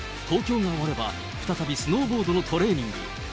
東京が終われば、再びスノーボードのトレーニング。